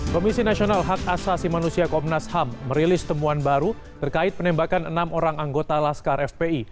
komisi nasional hak asasi manusia komnas ham merilis temuan baru terkait penembakan enam orang anggota laskar fpi